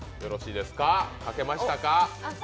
書けましたか？